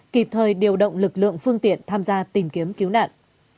kịp thời điều động lực lượng phương tiện tham gia tìm kiếm cứu nạn